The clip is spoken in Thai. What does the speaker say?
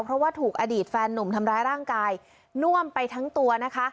เพราะว่าถูกอดีตแฟนหนุ่มทำร้ายร่างกายน่วมไปทั้งตัวนะคะ